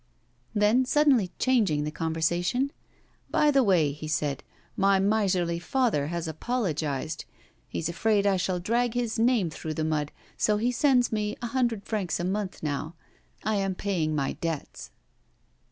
Then suddenly changing the conversation: 'By the way,' he said, 'my miserly father has apologised. He is afraid I shall drag his name through the mud, so he sends me a hundred francs a month now. I am paying my debts.